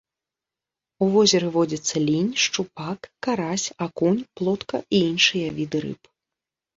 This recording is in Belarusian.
У возеры водзяцца лінь, шчупак, карась, акунь, плотка і іншыя віды рыб.